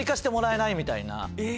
え！